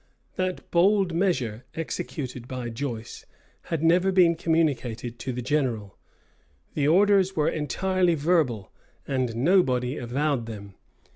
That bold measure, executed by Joyce, had never been communicated to the general. The orders were entirely verbal, and nobody avowed them.